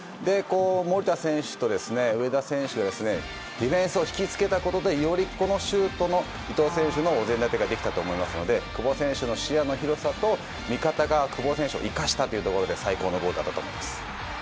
守田選手と上田選手はディフェンスを引き付けたことでよりこのシュートの伊東選手のお膳立てができたと思いますので久保選手の視野の広さと味方が久保選手を生かしたということで最高のゴールだったと思います。